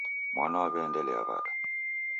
Mwana waw'eendelea wada?